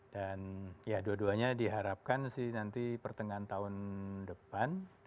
dan ya dua duanya diharapkan sih nanti pertengahan tahun depan